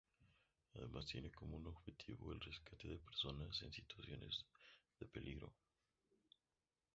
Además tiene como objetivo el rescate de personas en situaciones de peligro.